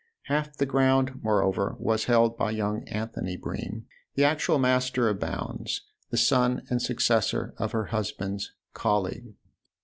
Half the ground moreover was held by young Anthony Bream, the actual master of Bounds, the son and successor of her husband's colleague.